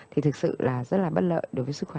thì thực sự là rất là bất lợi đối với sức khỏe